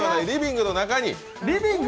リビングの中に。